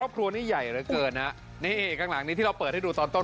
ครอบครัวนี้ใหญ่เหลือเกินฮะนี่ข้างหลังนี้ที่เราเปิดให้ดูตอนต้น